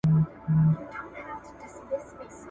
پت د خپل کهاله یې په صدف کي دی ساتلی ..